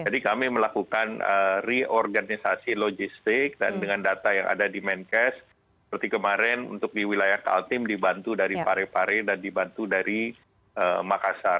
jadi kami melakukan reorganisasi logistik dan dengan data yang ada di menkes seperti kemarin untuk di wilayah kaltim dibantu dari pare pare dan dibantu dari makassar